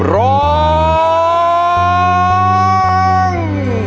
ร้อง